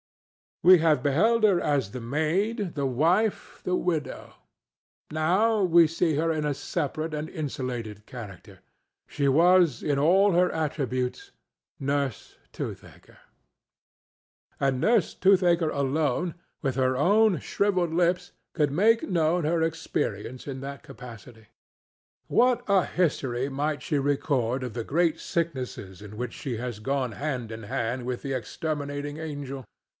We have beheld her as the maid, the wife, the widow; now we see her in a separate and insulated character: she was in all her attributes Nurse Toothaker. And Nurse Toothaker alone, with her own shrivelled lips, could make known her experience in that capacity. What a history might she record of the great sicknesses in which she has gone hand in hand with the exterminating angel!